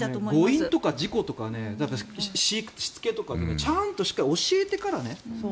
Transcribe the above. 誤飲とか事故とか飼育、しつけとかちゃんとしっかり教えてからね。